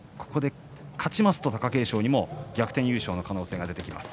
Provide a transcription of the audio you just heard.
勝ちますと貴景勝にも逆転優勝の可能性が出てきます。